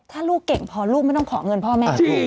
ถ้าลูกเก่งพอลูกไม่ต้องขอเงินพ่อแม่